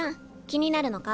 気になるのか？